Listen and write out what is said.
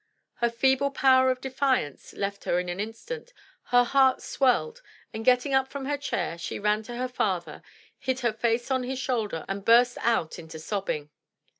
Her feeble power of defiance left her in an instant, her heart swelled, and getting up from her chair, she ran to her father, hid her face on his shoulder, and burst out into loud sobbing.